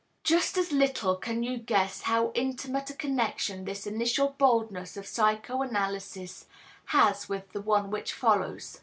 Just as little can you guess how intimate a connection this initial boldness of psychoanalysis has with the one which follows.